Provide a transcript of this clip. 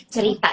cerita sama aku